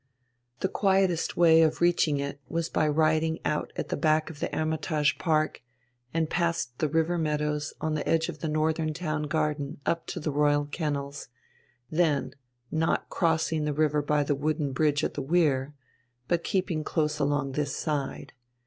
The quietest way of reaching it was by riding out at the back of the "Hermitage" park, and past the river meadows on the edge of the northern Town Garden up to the Royal Kennels; then not crossing the river by the wooden bridge at the weir, but keeping along this side.